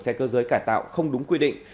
xe cơ giới cải tạo không đúng quy định